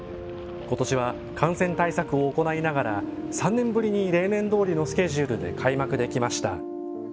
今年は、感染対策を行いながら３年ぶりに例年通りのスケジュールで開幕できました。